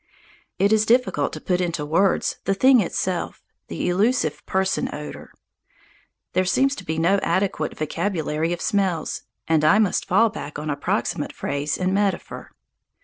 It is difficult to put into words the thing itself, the elusive person odour. There seems to be no adequate vocabulary of smells, and I must fall back on approximate phrase and metaphor.